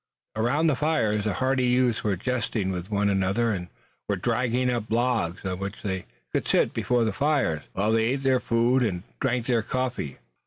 Around the fires the hardy youths were jesting with one another, and were dragging up logs, on which they could sit before the fires, while they ate their food and drank their coffee.